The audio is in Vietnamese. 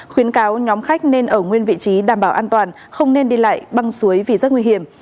khuyến cáo nhóm khách nên ở nguyên vị trí đảm bảo an toàn không nên đi lại băng suối vì rất nguy hiểm